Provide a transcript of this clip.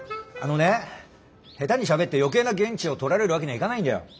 あのね下手にしゃべって余計な言質を取られるわけにはいかないんだよ。